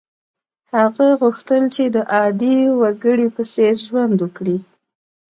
هغه غوښتل چې د عادي وګړي په څېر ژوند وکړي.